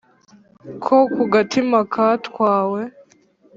ko ku gatima katwawe